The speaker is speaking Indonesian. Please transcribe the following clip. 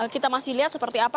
kita masih lihat seperti apa